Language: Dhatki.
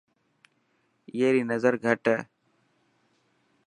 اي ري نظر گهٽ هي.